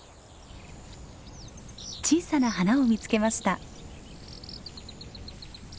小さな花を見つけました。